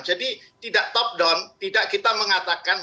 jadi tidak top down tidak kita mengatakan